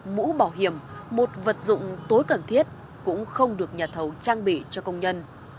mũ bảo hiểm một vật dụng tối cần thiết cũng không được nhà thầu trang bị cho công nhân